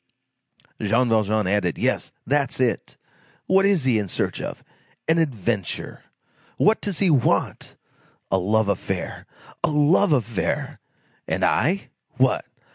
Jean Valjean added: "Yes, that's it! What is he in search of? An adventure! What does he want? A love affair! A love affair! And I? What!